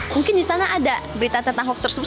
mungkin di sana ada berita tentang hoax tersebut